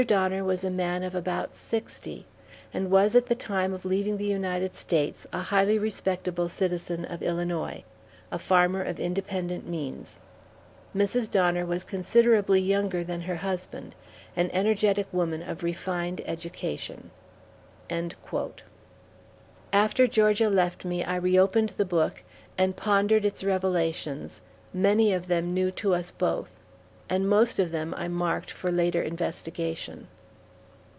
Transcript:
Donner was a man of about sixty, and was at the time of leaving the United States a highly respectable citizen of Illinois, a farmer of independent means. Mrs. Donner was considerably younger than her husband, an energetic woman of refined education. After Georgia left me, I reopened the book, and pondered its revelations, many of them new to us both; and most of them I marked for later investigation.